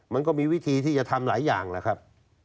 มันก็มีวิธีที่จะทำหลายอย่างแหละครับ